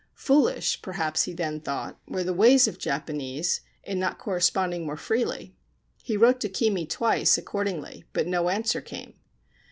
Foolish, perhaps he then thought, were the ways of Japanese in not corresponding more freely. He wrote to Kimi twice, Accordingly, but no answer came.